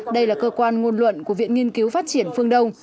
đây là cơ quan ngôn luận của viện nghiên cứu phát triển phương đông